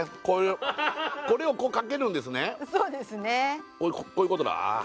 こういうことだああ